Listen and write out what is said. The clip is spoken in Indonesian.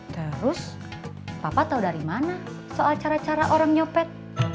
terus papa tahu dari mana soal cara cara orang nyopet